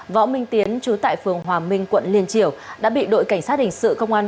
võ minh tiến chú tại phường hòa minh quận liên triều đã bị đội cảnh sát hình sự công an